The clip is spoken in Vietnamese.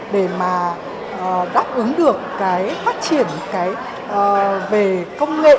để mà đáp ứng được cái phát triển về công nghệ